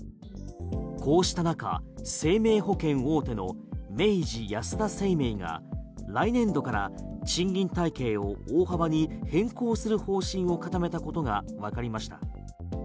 こうした中生命保険大手の明治安田生命が来年度から賃金体系を大幅に変更する方針を固めたことがわかりました。